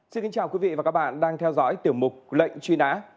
xin kính chào quý vị và các bạn đang theo dõi tiểu mục lệnh truy nã